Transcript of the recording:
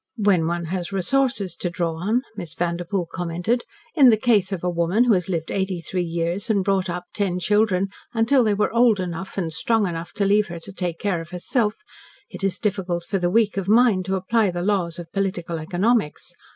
"When one has resources to draw on," Miss Vanderpoel commented, "in the case of a woman who has lived eighty three years and brought up ten children until they were old and strong enough to leave her to take care of herself, it is difficult for the weak of mind to apply the laws of Political Economics.